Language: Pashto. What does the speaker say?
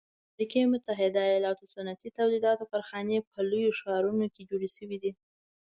د امریکي متحده ایلاتو صنعتي تولیداتو کارخانې په لویو ښارونو کې جوړې شوي دي.